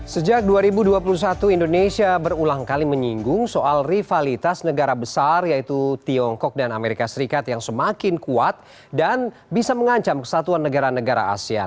sejak dua ribu dua puluh satu indonesia berulang kali menyinggung soal rivalitas negara besar yaitu tiongkok dan amerika serikat yang semakin kuat dan bisa mengancam kesatuan negara negara asean